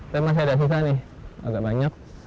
tapi masih ada sisa nih agak banyak